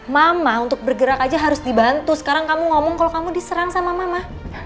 mama untuk bergerak aja harus dibantu sekarang kamu ngomong kalau kamu diserang sama mama